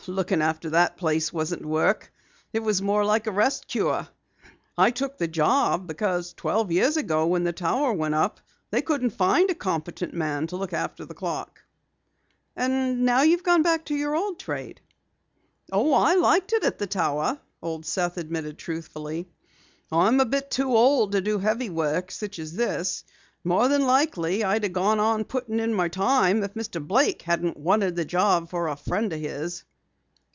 "Looking after that place wasn't work. It was more like a rest cure. I took the job because, twelve years ago when the tower went up, they couldn't find a competent man to look after the clock." "And now you've gone back to your old trade?" "Oh, I liked it at the tower," Old Seth admitted truthfully. "I'm a bit old to do heavy work such as this. More than likely I'd have gone on putting in my time if Mr. Blake hadn't wanted the job for a friend of his."